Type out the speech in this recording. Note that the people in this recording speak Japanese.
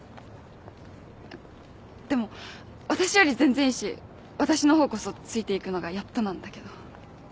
でも私より全然いいし私の方こそついていくのがやっとなんだけど。